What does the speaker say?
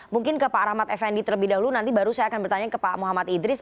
mungkin ke pak rahmat effendi terlebih dahulu nanti baru saya akan bertanya ke pak muhammad idris